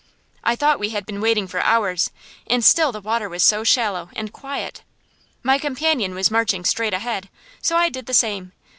I thought we had been wading for hours, and still the water was so shallow and quiet. My companion was marching straight ahead, so I did the same.